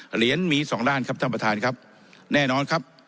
เหรียญมีสองด้านครับท่านประธานครับแน่นอนครับ